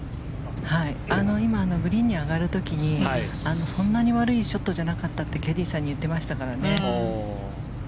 今のグリーンに上がる時にそんなに悪いショットじゃなかったってキャディーさんに言ってましたからね。